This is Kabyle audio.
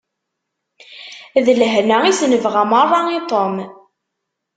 D lehna i s-nebɣa merra i Tom.